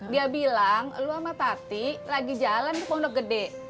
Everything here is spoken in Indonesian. dia bilang lu sama tati lagi jalan ke pondok gede